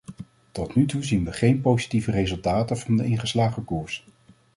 Tot nu toe zien we geen positieve resultaten van de ingeslagen koers.